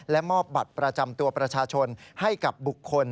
และมอบบัตรประจำตัวประชาชนให้กับบุคคล